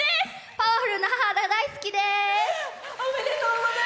パワフルな母が大好きです！